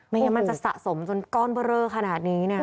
งั้นมันจะสะสมจนก้อนเบอร์เรอขนาดนี้นะ